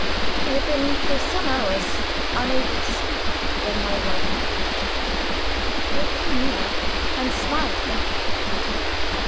He had been for some hours unable to speak when my wife arrived. But he knew her, and smiled faintly.